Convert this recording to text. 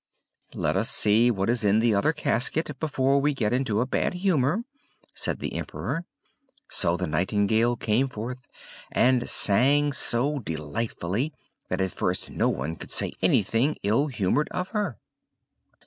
"Let us see what is in the other casket, before we get into a bad humor," said the Emperor. So the nightingale came forth and sang so delightfully that at first no one could say anything ill humored of her.